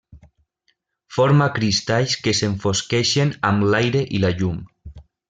Forma cristalls que s'enfosqueixen amb l'aire i la llum.